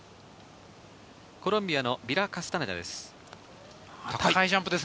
コロンビアのビラ・カスタネダです。